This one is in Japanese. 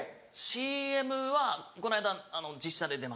ＣＭはこの間実写で出ました。